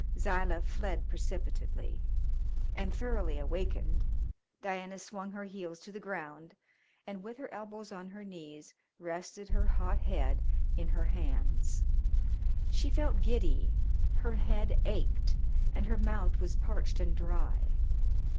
Zilah fled precipitately, and, thoroughly awakened, Diana swung her heels to the ground and with her elbows on her knees rested her hot head in her hands. She felt giddy, her head ached and her mouth was parched and dry.